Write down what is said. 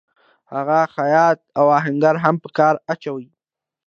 هغه خیاط او آهنګر هم په کار اچوي